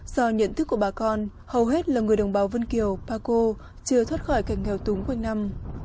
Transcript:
do nhận thức của bà con hầu hết là người đồng bào vân kiều paco chưa thoát khỏi cảnh nghèo túng quanh năm